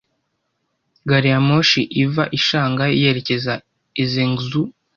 Gariyamoshi iva i Shanghai yerekeza i Zhengzhou